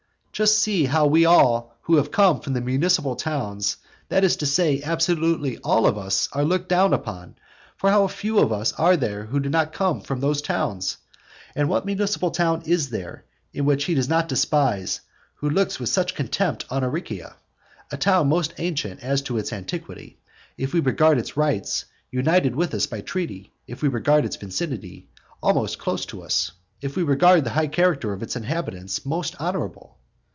Just see how we all who come from the municipal towns that is to say, absolutely all of us are looked down upon; for how few of us are there who do not come from those towns? and what municipal town is there which he does not despise who looks with such contempt on Aricia; a town most ancient as to its antiquity; if we regard its rights, united with us by treaty; if we regard its vicinity, almost close to us; if we regard the high character of its inhabitants, most honourable?